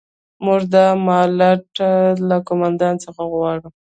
موږ د مالټا له قوماندان څخه غواړو.